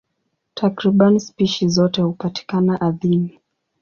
Takriban spishi zote hupatikana ardhini.